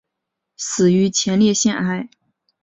死于前列腺癌。